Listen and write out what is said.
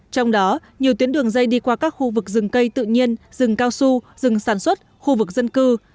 trong đó nhiều tuyến đường dây đi qua các khu vực rừng cây tự nhiên rừng cao su rừng sản xuất khu vực dân cư